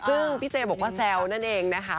ซึ่งพี่เจบอกว่าแซวนั่นเองนะคะ